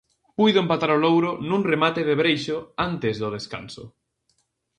Puido empatar o Louro nun remate de Breixo antes do descanso.